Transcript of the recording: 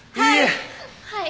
はい。